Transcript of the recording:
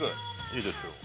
いいですよ。